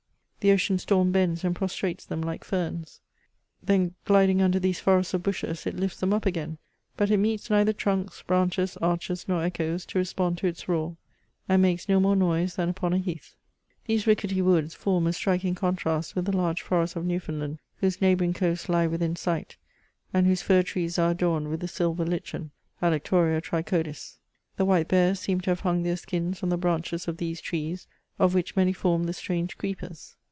The ocean storm bends and pros trates them, like ferns ; then, gliding under these forests of bushes, it lifts them up again,.but it meets neitlier trunks, branches, arches, nor echoes to respond to its roar, and makes no more noise than upon a heath. These rickety woods form a striking contrast with the large forests of Newfoundland, whose neighbouring coasts lie within sight, and whose fir trees are adorned with the silver lichen ( Alec toria trichodis) ; the white bears seem to have hung their skins on the branches of these trees, of which many form the strange creepers.